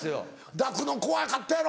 抱くの怖かったやろ？